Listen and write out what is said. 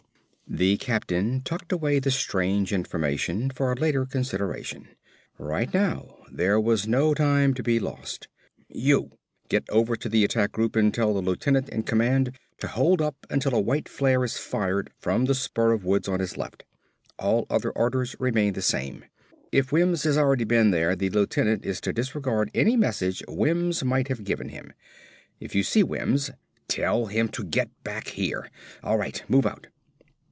The captain tucked away the strange information for later consideration. Right now there was no time to be lost. "You! Get over to the attack group and tell the lieutenant in command to hold up until a white flare is fired from the spur of woods on his left. All other orders remain the same. If Wims has already been there, the lieutenant is to disregard any message Wims might have given him. If you see Wims, tell him to get back here. All right, move out!